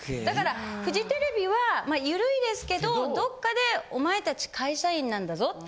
だからフジテレビは緩いですけどどっかでお前たち会社員なんだぞ。